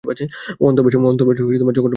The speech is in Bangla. অন্তর্বাসেও জঘন্য দুর্গন্ধ।